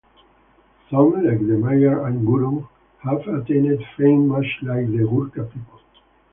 Some, like the Magar and Gurung, have attained fame much like the Gurkha people.